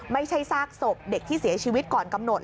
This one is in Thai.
ไม่ใช่ซากศพเด็กที่เสียชีวิตก่อนกำหนด